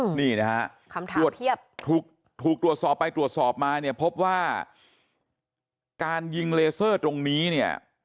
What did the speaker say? นี่นะฮะคำถามถูกถูกตรวจสอบไปตรวจสอบมาเนี่ยพบว่าการยิงเลเซอร์ตรงนี้เนี่ย